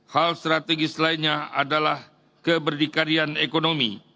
hal strategis lainnya adalah keberdikarian ekonomi